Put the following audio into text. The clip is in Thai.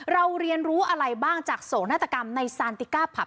เรียนรู้อะไรบ้างจากโศกนาฏกรรมในซานติก้าผับ